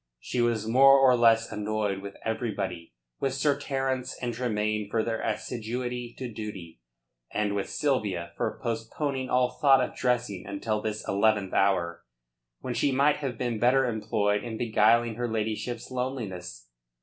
She was more or less annoyed with everybody with Sir Terence and Tremayne for their assiduity to duty, and with Sylvia for postponing all thought of dressing until this eleventh hour, when she might have been better employed in beguiling her ladyship's loneliness.